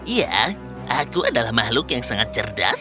iya aku adalah makhluk yang sangat cerdas